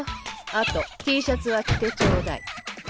あとＴシャツは着てちょうだい。